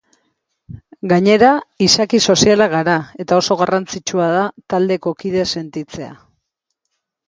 Gainera, izaki sozialak gara, eta oso garrantzitsua da taldeko kide sentitzea.